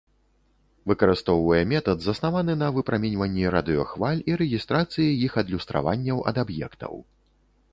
Выкарыстоўвае метад, заснаваны на выпраменьванні радыёхваль і рэгістрацыі іх адлюстраванняў ад аб'ектаў.